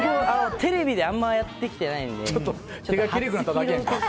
テレビであんまりやってきてないので。